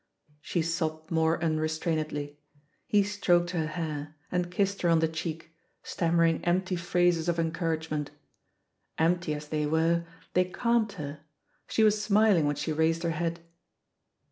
'' She sobbed more unrestrainedly. He stroked lier hair, and kissed her on the cheek, stammer ing empty phrases of encouragement. Empty as they were, they calmed her — she was smiling ^hen she raised her head.